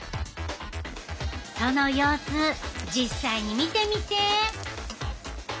その様子実際に見てみて。